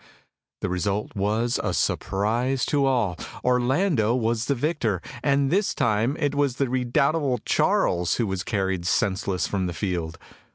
The result was a surprise to all. Orlando was the victor, and this time it was the redoubtable Charles who was carried senseless from the field.